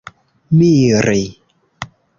miri